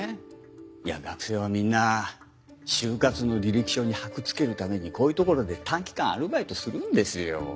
いや学生はみんな就活の履歴書に箔つけるためにこういう所で短期間アルバイトするんですよ。